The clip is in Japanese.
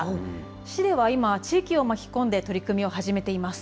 市では今、地域を巻き込んで取り組みを始めています。